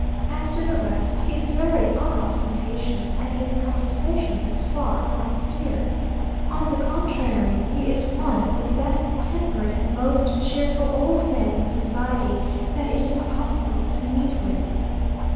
As to the rest, he is very unostentatious, and his conversation is far from austere. On the contrary, he is one of the best tempered and most cheerful old men in society that it is possible to meet with....